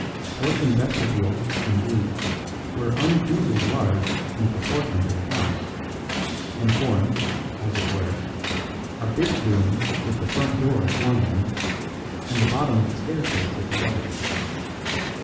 Porch and vestibule, indeed, were unduly large in proportion to the house, and formed, as it were, a big room with the front door at one end, and the bottom of the staircase at the other.